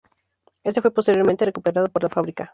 Este fue posteriormente recuperado por la fábrica.